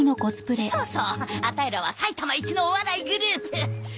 そうそうアタイらは埼玉一のお笑いグループじゃねえよ！